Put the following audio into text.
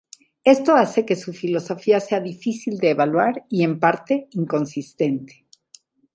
Esto hace que su filosofía sea difícil de evaluar y en parte inconsistente.